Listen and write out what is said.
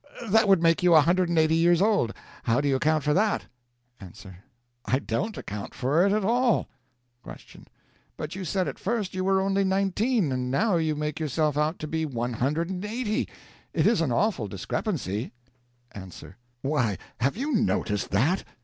That would make you a hundred and eighty years old. How do you account for that? A. I don't account for it at all. Q. But you said at first you were only nineteen, and now you make yourself out to be one hundred and eighty. It is an awful discrepancy. A. Why, have you noticed that?